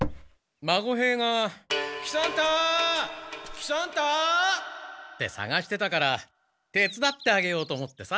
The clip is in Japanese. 喜三太！ってさがしてたから手つだってあげようと思ってさ。